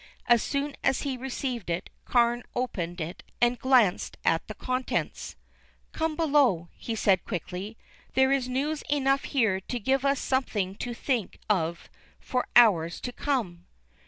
As soon as he received it, Carne opened it and glanced at the contents. "Come below," he said quickly. "There is news enough here to give us something to think of for hours to come."